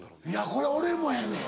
これ俺もやねん。